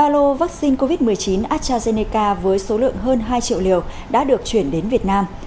ba lô vaccine covid một mươi chín astrazeneca với số lượng hơn hai triệu liều đã được chuyển đến việt nam